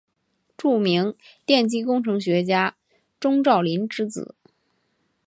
著名电机工程学家钟兆琳之子。